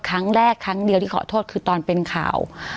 ครั้งเดียวที่ขอโทษคือตอนเป็นข่าว